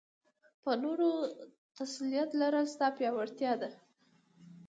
په نورو تسلط لرل؛ ستا پياوړتيا ده.